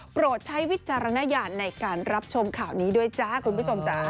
โปรดใช้วิจารณญาณในการรับชมข่าวนี้ด้วยจ้าคุณผู้ชมจ๊ะ